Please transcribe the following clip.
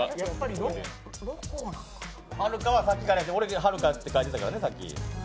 はるかはさっきから、俺ははるかって感じてたけどね。